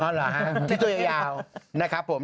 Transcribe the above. เหรอฮะที่ตัวยาวนะครับผม